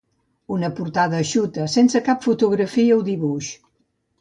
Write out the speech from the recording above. Una portada eixuta, sense cap fotografia o dibuix.